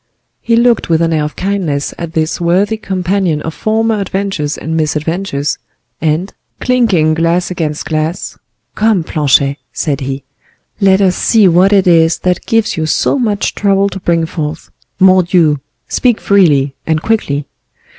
He looked with an air of kindness at this worthy companion of former adventures and misadventures, and, clinking glass against glass, "Come, Planchet," said he, "let us see what it is that gives you so much trouble to bring forth. Mordioux! Speak freely, and quickly."